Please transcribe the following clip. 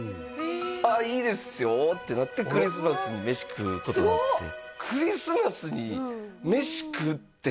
「ああいいですよ」ってなってクリスマスに飯食うことになってすごっ！